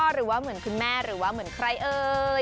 หรือว่าเหมือนคุณแม่หรือว่าเหมือนใครเอ่ย